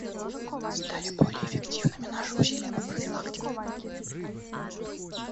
Стали более эффективными наши усилия по профилактике.